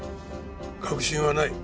確信はない。